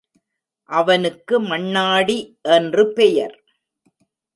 அவனுக்கு மண்ணாடி என்று பெயர்.